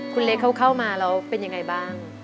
คุณเล็กเขาเข้ามาแล้วเป็นยังไงบ้าง